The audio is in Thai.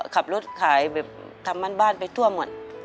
ขับรถขายไปทำบ้านไปทั่วหมด